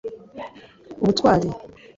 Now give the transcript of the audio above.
ubutwari